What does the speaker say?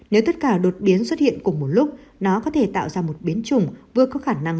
nếu tất cả đột biến xuất hiện cùng một lúc nó có thể tạo ra một biến chủng vừa có khả năng